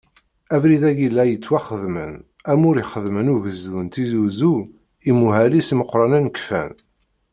Abrid-agi la yettwaxdamen, amur ixeddem ugezdu n Tizi Uzzu, imuhal-is imeqqranen kfan.